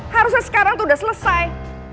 harusnya sekarang tuh udah selesai